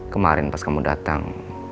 kemarin pas kamu datang